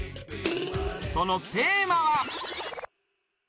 そのテーマは？